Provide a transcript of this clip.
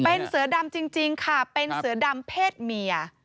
เป็นเสือดำจริงค่ะเป็นเสือดำเพศเมีย